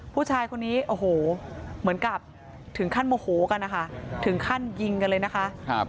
ผู้ชายคนนี้โอ้โหเหมือนกับถึงขั้นโมโหกันนะคะถึงขั้นยิงกันเลยนะคะ